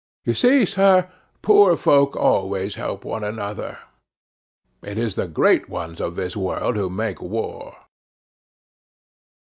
You see, sir, poor folk always help one another; it is the great ones of this world who make war."